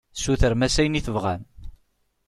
Sutrem-as ayen i tebɣam.